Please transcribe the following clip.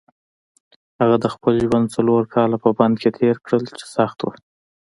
هغه د خپل ژوند څلور کاله په بند کې تېر کړل چې سخت وو.